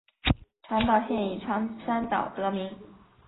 长岛县以长山岛得名。